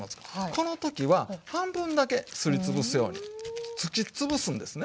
この時は半分だけすり潰すようにつき潰すんですね。